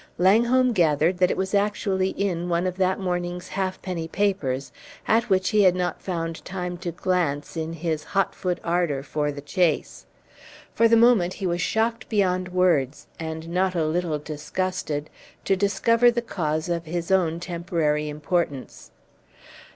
Langholm gathered that it was actually in one of that morning's half penny papers, at which he had not found time to glance in his hot foot ardor for the chase. For the moment he was shocked beyond words, and not a little disgusted, to discover the cause of his own temporary importance.